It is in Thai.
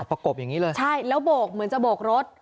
กบอย่างนี้เลยใช่แล้วโบกเหมือนจะโบกรถ